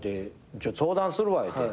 ちょっと相談するわ言うて。